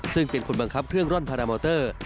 ซึ่งเป็นคนบังคับเครื่องร่อนพารามอเตอร์